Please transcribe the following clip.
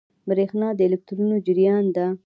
برېښنا د الکترونونو جریان دی.